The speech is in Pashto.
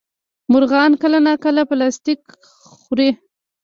مرغان کله ناکله پلاستيک خوري.